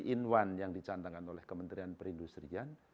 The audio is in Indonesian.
in satu yang dicantangkan oleh kementerian perindustrian